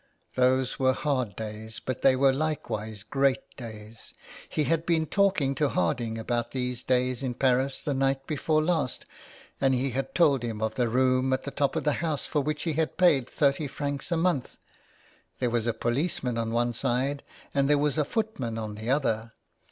Those were hard days, but they were likewise great days. He had been talking to Harding about those days in Paris the night before last, and he had told him of the room at the top of the house for which he paid thirty francs a month. There was a policeman on one side and there was a footman on the other.